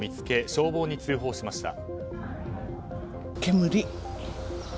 消防に通報しました。